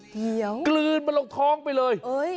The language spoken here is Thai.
เดี๋ยวมันได้เหรอเกลือนมันลงท้องไปเลย